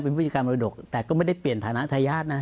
เป็นผู้จัดการมรดกแต่ก็ไม่ได้เปลี่ยนฐานะทายาทนะ